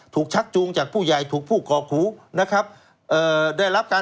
ถูกชักจูงจากผู้ใหญ่ถูกผู้ก่อครูนะครับ